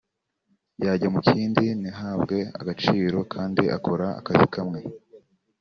yajya mu kindi ntihabwe agaciro kandi akora akazi kamwe